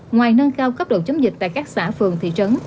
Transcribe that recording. ngoài nâng cao cấp độ chống dịch tại các xã phường thị trấn